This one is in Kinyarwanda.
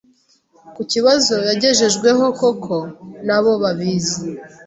Ku kibazo yagejejweho koko nabo babizi